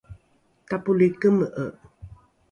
tapoli keme’e